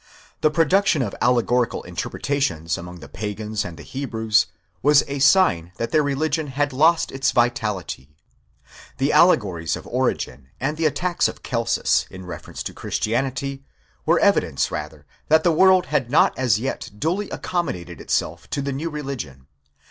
The production of allegorical interpretations among the Pagans and the Hebrews, was a sign that their religion had lost its vitality ; the allegories of Origen and the attacks of Celsus, in reference to Christianity, were evidences rather that the world had not as yet duly accommodated itself to the newreligion.